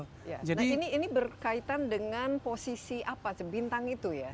nah ini berkaitan dengan posisi apa bintang itu ya